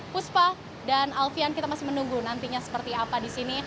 puspa dan alfian kita masih menunggu nantinya seperti apa di sini